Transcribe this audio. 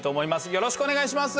よろしくお願いします。